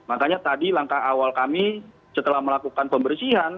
makanya tadi langkah awal kami setelah melakukan pembersihan